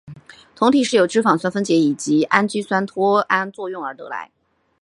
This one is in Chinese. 酮体是由脂肪酸分解以及氨基酸脱氨作用而得来。